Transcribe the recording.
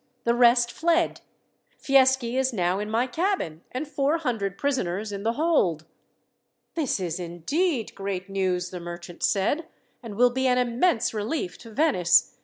The rest fled. Fieschi is now in my cabin, and four hundred prisoners in the hold." "This is indeed great news," the merchant said, "and will be an immense relief to Venice.